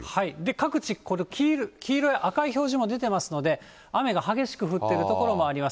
各地、これ黄色や赤い表示も出てますので、雨が激しく降っている所もあります。